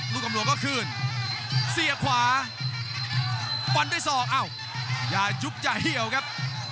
กำหลวงก็คืนเสียบขวาฟันด้วยศอกอ้าวอย่ายุบอย่าเหี่ยวครับ